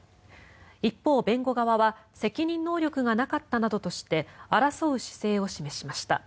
一方、弁護士側は責任能力がなかったなどとして争う姿勢を示しました。